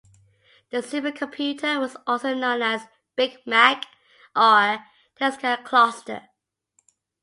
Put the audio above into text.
The supercomputer is also known as "'Big Mac'" or "'Terascale Cluster'".